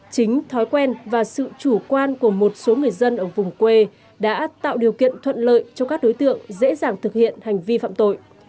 chính thói quen và sự chủ quan của một số người dân ở vùng quê đã tạo điều kiện thuận lợi cho các đối tượng dễ dàng thực hiện hành vi phạm tội